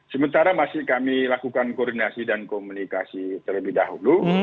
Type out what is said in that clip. sementara masih kami lakukan koordinasi dan komunikasi terlebih dahulu